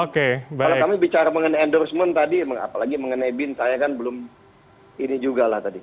kalau kami bicara mengenai endorsement tadi apalagi mengenai bin saya kan belum ini juga lah tadi